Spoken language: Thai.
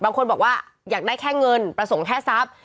บางคนบอกว่าอยากได้แค่เงินประสงค์แค่ทรัพย์